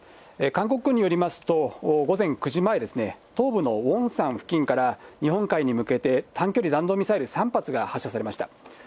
韓国軍によりますと、午前９時前ですね、東部のウォンサン付近から日本海に向けて、短距離弾道ミサイル３発が発射されました。